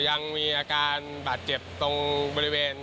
ยังมีอาการบาดเจ็บตรงบริเวณ